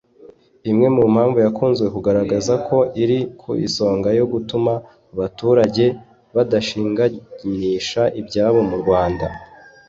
Imwe mu mpamvu yakunze kugaragazwa ko iri ku isonga yo gutuma abaturage badashinganisha ibyabo mu Rwanda